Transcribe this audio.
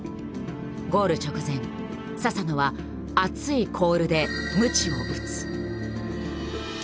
ゴール直前佐々野は「熱いコール」でムチを打つ！